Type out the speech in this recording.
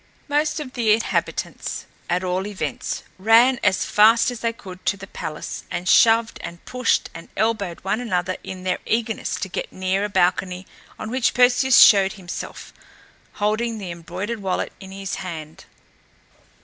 Most of the inhabitants, at all events, ran as fast as they could to the palace and shoved and pushed and elbowed one another in their eagerness to get near a balcony on which Perseus showed himself, holding the embroidered wallet in his hand.